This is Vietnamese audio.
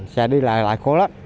sẽ đi lại lại khổ lắm